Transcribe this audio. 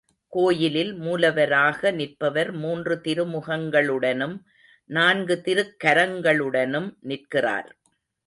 கோயிலில் மூலவராக நிற்பவர் மூன்று திருமுகங்களுடனும் நான்கு திருக்கரங்களுடனும் நிற்கிறார்.